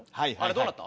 どうなった？